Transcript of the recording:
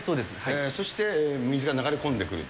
そして、水が流れ込んでくる。